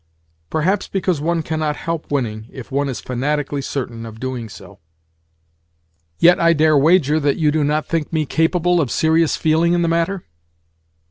"Perhaps because one cannot help winning if one is fanatically certain of doing so." "Yet I dare wager that you do not think me capable of serious feeling in the matter?"